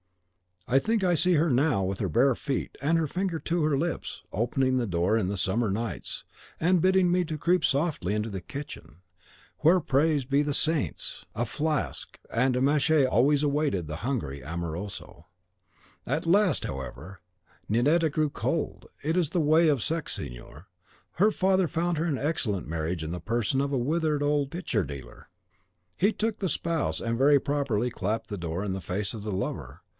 I think I see her now with her bare feet, and her finger to her lips, opening the door in the summer nights, and bidding me creep softly into the kitchen, where, praised be the saints! a flask and a manchet always awaited the hungry amoroso. At last, however, Ninetta grew cold. It is the way of the sex, signor. Her father found her an excellent marriage in the person of a withered old picture dealer. She took the spouse, and very properly clapped the door in the face of the lover.